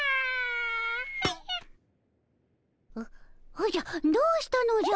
おじゃどうしたのじゃ？